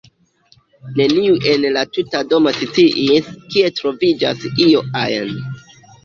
Neniu en la tuta domo sciis, kie troviĝas io ajn.